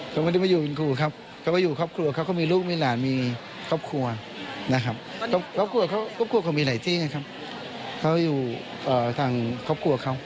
คุณคุณยังต้องการที่จะให้ประพันธ์ของคุณหลักอีกไหมครับ